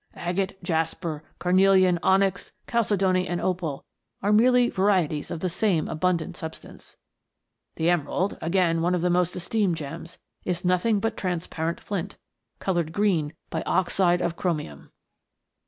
Agate, jasper, carnelian, onyx, chalcedony and opal, are merely varieties of the same abundant substance. The emerald, again, one of the most esteemed gems, is nothing but transparent flint, coloured green by oxide of chromium.